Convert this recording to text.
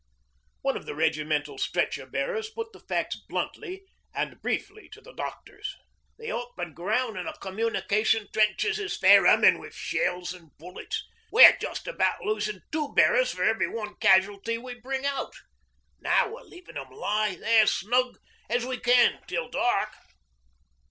One of the regimental stretcher bearers put the facts bluntly and briefly to the doctors: 'The open ground an' the communication trenches is fair hummin' wi' shells an' bullets. We're just about losin' two bearers for every one casualty we bring out. Now we're leavin' 'em lie there snug as we can till dark.'